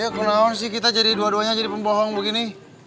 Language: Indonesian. ya kenapa sih kita dua duanya jadi pembohong begini